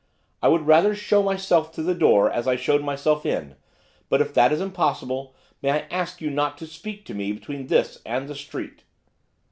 'I would rather show myself to the door as I showed myself in, but, if that is impossible, might I ask you not to speak to me between this and the street?